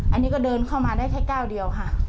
อันนี้ก็เดินเข้ามาได้แค่ก้าวเดียวค่ะ